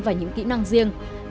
và những kỹ năng riêng